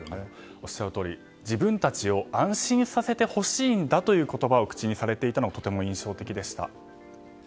おっしゃるとおり、自分たちを安心させてほしいんだという言葉を口にされていたのが印象的でした。